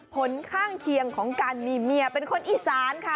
ผลข้างเคียงของการมีเมียเป็นคนอีสานค่ะ